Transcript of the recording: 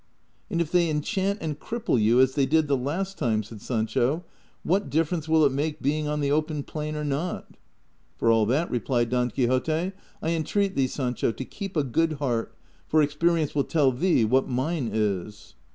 '' And if they enchant and cripple you as they did the last time," said Sancho, " what difference will it make being on the open plain or not ?"" For all that," replied Don Quixote, " I entreat thee, Sancho, to keep a good heart, for experience will tell thee what mine is."